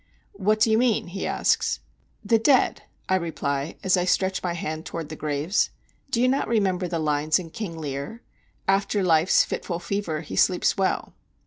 "What do you mean?" he asks. "The dead," I reply, as I stretch my hand toward the graves. "Do you not remember the lines in 'King Lear'? "'After life's fitful fever he sleeps well.